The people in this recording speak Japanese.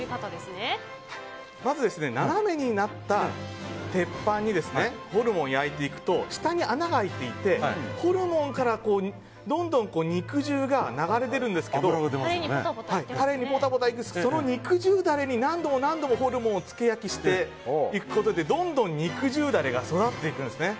まず斜めになった鉄板にホルモンを焼いていくと下に穴が開いていてホルモンからどんどん肉汁が流れ出るんですけどタレにポタポタいくその肉汁ダレに何度も何度もホルモンを付け焼きしていくことでどんどん肉汁ダレが育っていくんです。